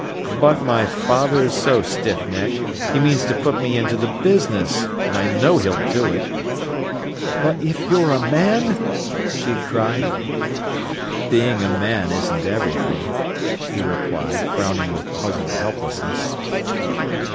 "But my father's so stiff necked. He means to put me into the business, and I know he'll do it." "But if you're a man?" she had cried. "Being a man isn't everything," he replied, frowning with puzzled helplessness.